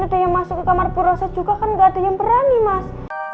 ada yang masuk ke kamar puroh saya juga kan enggak ada yang berani mas